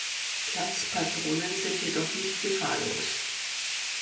Platzpatronen sind jedoch nicht gefahrlos.